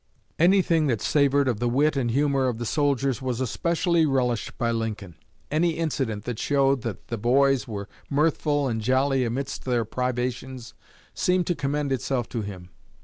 Anything that savored of the wit and humor of the soldiers was especially relished by Lincoln. Any incident that showed that "the boys" were mirthful and jolly amidst their privations seemed to commend itself to him.